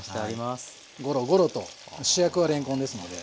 ゴロゴロと主役はれんこんですので。